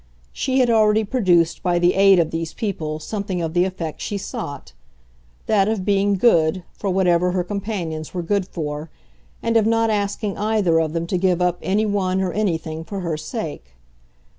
She had already produced by the aid of these people something of the effect she sought that of being "good" for whatever her companions were good for, and of not asking either of them to give up anyone or anything for her sake.